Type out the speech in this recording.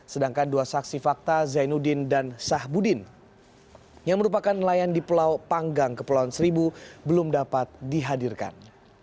sedangkan dua saksi fakta zainuddin dan sahbudin yang merupakan nelayan di pulau panggang kepulauan seribu belum dapat dihadirkan